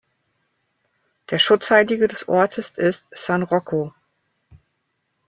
Der Schutzheilige des Ortes ist "San Rocco".